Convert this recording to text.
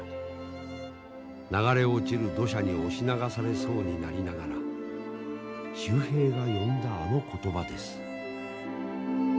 流れ落ちる土砂に押し流されそうになりながら秀平が呼んだあの言葉です。